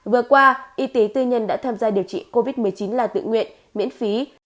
vừa qua y tế tư nhân đã tham gia điều trị covid một mươi chín là tự nguyện miễn phí